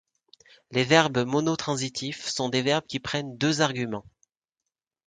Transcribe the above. Les verbes monotransitifs sont des verbes qui prennent deux arguments.